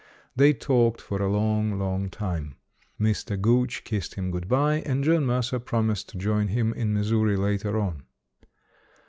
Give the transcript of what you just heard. They talked for a long, long time. Mr. Gooch kissed him good bye, and John Mercer promised to join him in Missouri later on.